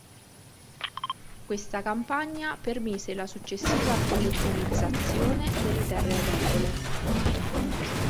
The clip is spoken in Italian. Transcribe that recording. Questa campagna permise la successiva collettivizzazione delle terre agricole.